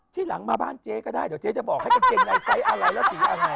ที่หลังมาบ้านเจ๊ก็ได้เดี๋ยวเจ๊จะบอกให้กางเกงในไซส์อะไรแล้วสีอะไร